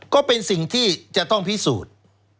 ก็เป็นสิ่งที่จะต้องพิสูจน์